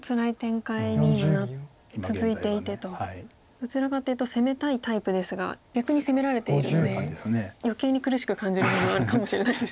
どちらかというと攻めたいタイプですが逆に攻められているので余計に苦しく感じる部分もあるかもしれないですよね。